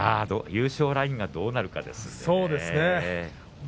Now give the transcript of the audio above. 優勝ラインがどうなるかですね。